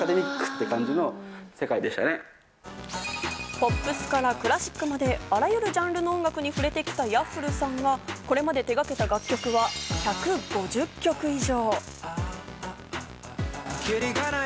ポップスからクラシックまで、あらゆるジャンルの音楽に触れてきたＹａｆｆｌｅさんがこれまで手がけた楽曲は１５０曲以上。